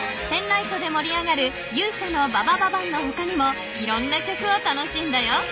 ［ペンライトでもり上がる『勇者のババババン』の他にもいろんな曲を楽しんだよ］